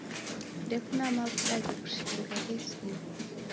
Ndekuna mavuda ghekushinga ghesia